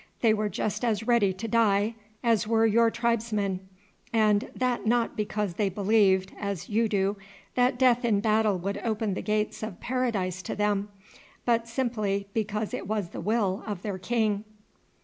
They were just as ready to die as were your tribesmen, and that not because they believed, as you do, that death in battle would open the gates of paradise to them, but simply because it was the will of their king."